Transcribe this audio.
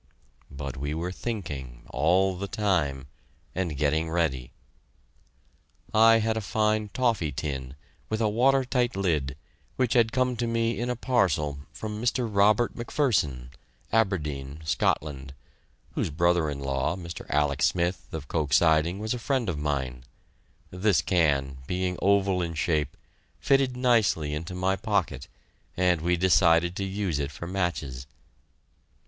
But we were thinking, all the time, and getting ready. I had a fine toffee tin, with a water tight lid, which had come to me in a parcel from Mr. Robert McPherson, Aberdeen, Scotland, whose brother in law, Mr. Alec Smith, of Koch Siding, was a friend of mine. This can, being oval in shape, fitted nicely into my pocket, and we decided to use it for matches.